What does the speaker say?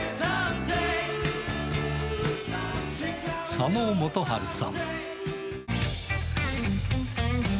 佐野元春さん。